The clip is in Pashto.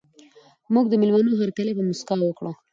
موږ د مېلمنو هرکلی په مسکا وکړ.